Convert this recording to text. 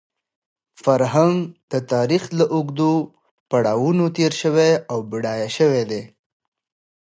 فرهنګ د تاریخ له اوږدو پړاوونو تېر شوی او بډایه شوی دی.